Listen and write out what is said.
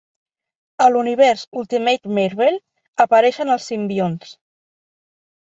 A l'univers "Ultimate Marvel", apareixen els Simbionts.